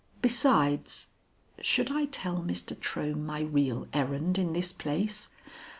Besides " Should I tell Mr. Trohm my real errand in this place?